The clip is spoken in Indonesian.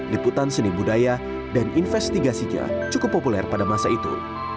liputan seni budaya dan investigasinya cukup populer pada masa itu